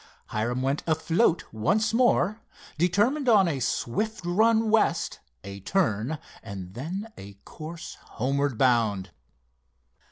Hiram went afloat once more, determined on a swift run west, a turn, and then a course homeward bound.